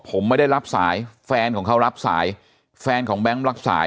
ผมไม่ได้รับสายแฟนของเขารับสายแฟนของแบงค์รับสาย